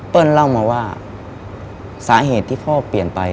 เล่ามาว่าสาเหตุที่พ่อเปลี่ยนไป